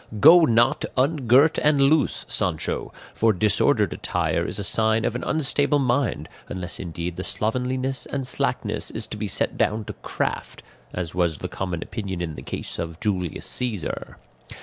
"Go not ungirt and loose, Sancho; for disordered attire is a sign of an unstable mind, unless indeed the slovenliness and slackness is to be set down to craft, as was the common opinion in the case of Julius Caesar.